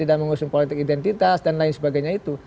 tidak mengusung politik identitas dan lain sebagainya itu